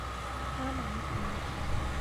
阿芒格。